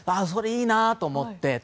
それいいなと思った。